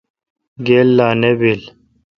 گیل لا نہ بیل۔